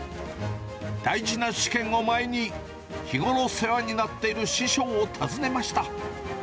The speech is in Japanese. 大事な試験を前に、日頃、世話になっている師匠を訪ねました。